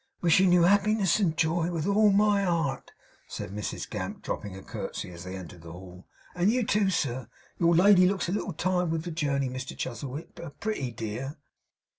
'Wishing you appiness and joy with all my art,' said Mrs Gamp, dropping a curtsey as they entered the hall; 'and you, too, sir. Your lady looks a little tired with the journey, Mr Chuzzlewit, a pretty dear!